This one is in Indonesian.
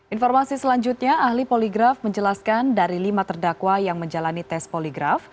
informasi selanjutnya ahli poligraf menjelaskan dari lima terdakwa yang menjalani tes poligraf